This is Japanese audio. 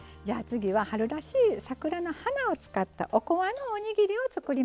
じゃあ次は春らしい桜の花を使ったおこわのおにぎりを作りましょう。